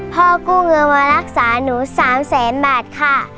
กู้เงินมารักษาหนู๓แสนบาทค่ะ